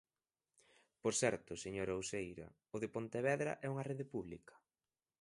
Por certo, señora Uceira, ¿o de Pontevedra é unha rede pública?